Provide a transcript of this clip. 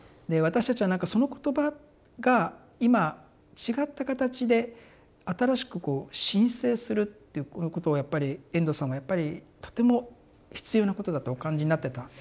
で私たちはなんかその言葉が今違った形で新しくこう新生するっていうこのことをやっぱり遠藤さんはやっぱりとても必要なことだとお感じになってた。